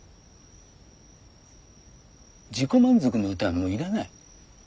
自己満足の歌はもう要らない。